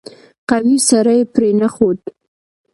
قوي سړی پرې نه ښود.